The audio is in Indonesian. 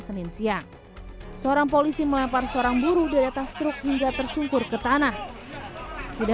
senin siang seorang polisi melempar seorang buruh dari atas truk hingga tersungkur ke tanah tidak